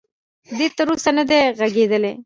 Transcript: دې تر اوسه ندی ږغېدلی.